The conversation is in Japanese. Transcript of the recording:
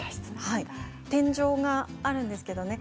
天井があるんですけどね